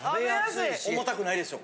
重たくないでしょ？